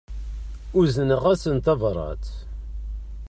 Uzneɣ-asen tabrat.